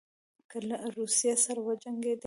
له روسیې سره وجنګېدی.